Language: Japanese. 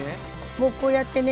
もうこうやってね